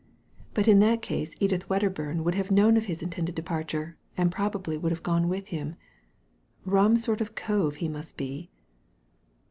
But in that case Edith Wedderburn would have known of his intended departure, and probably would have gone with him. Rum sort of cove he must be."